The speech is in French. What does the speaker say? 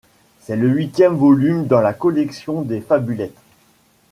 C'est le huitième volume dans la collection des Fabulettes.